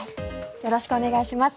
よろしくお願いします。